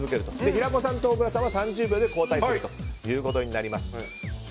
平子さんと小倉さんは３０秒で交代するということになります。